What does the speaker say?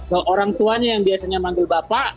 bahwa orang tuanya yang biasanya manggil bapak